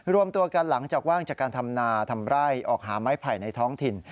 รวมตัวกันหลังจากว่างจากการทำนาทำไร่ออกหาไม้ไผ่ในท้องถิ่น